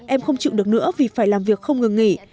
em không chịu được nữa vì phải làm việc không ngừng nghỉ